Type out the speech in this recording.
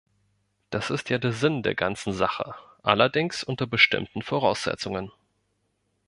Das ist ja der Sinn der ganzen Sache, allerdings unter bestimmten Voraussetzungen.